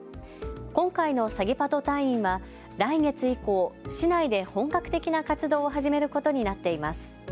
今回のサギパト隊員は来月以降、市内で本格的な活動を始めることになっています。